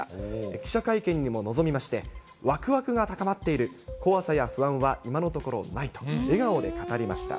記者会見にも臨みまして、わくわくが高まっている、怖さや不安は今のところないと、笑顔で語りました。